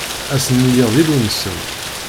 A sen-iliɣ d Illu-nsen.